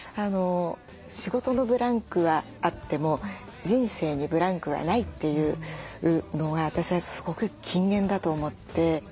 仕事のブランクはあっても人生にブランクはないというのは私はすごく金言だと思って。